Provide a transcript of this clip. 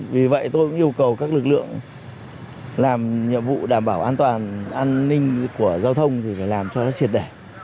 vì vậy tôi cũng yêu cầu các lực lượng làm nhiệm vụ đảm bảo an toàn an ninh của giao thông thì phải làm cho nó triệt đẻ